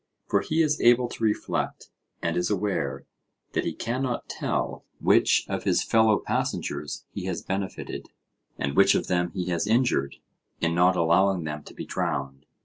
For he is able to reflect and is aware that he cannot tell which of his fellow passengers he has benefited, and which of them he has injured in not allowing them to be drowned.